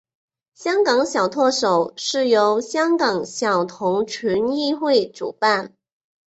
香港小特首由香港小童群益会主办。